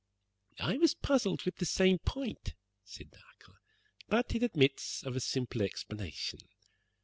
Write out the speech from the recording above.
"I was puzzled with the same point," said Dacre, "but it admits of a simple explanation.